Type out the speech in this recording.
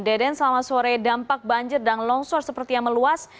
deden selamat sore dampak banjir dan longsor seperti yang meluas